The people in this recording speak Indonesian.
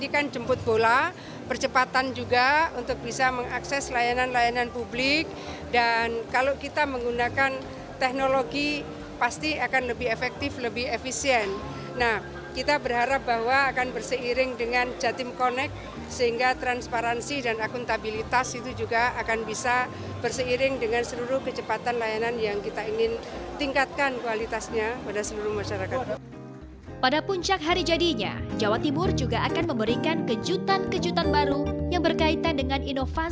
keputusan gubernur jawa timur jawa timur jawa timur jawa timur jawa timur jawa timur jawa timur jawa timur jawa timur jawa timur jawa timur jawa timural